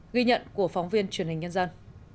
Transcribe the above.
ghi nhận của phóng viên truyền hình nhân dân